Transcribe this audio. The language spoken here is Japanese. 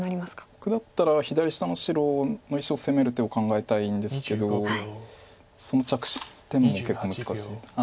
僕だったら左下の白の石を攻める手を考えたいんですけどその着手点も結構難しいです。